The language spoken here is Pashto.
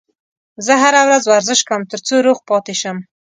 زه هره ورځ ورزش کوم ترڅو روغ پاتې شم